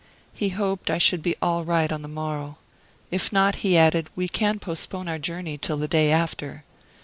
He hoped I should be all right on the morrow if not, he added, we can postpone our journey till the day after.